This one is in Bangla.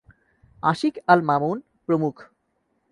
আশিক আল মামুন প্রমুখ।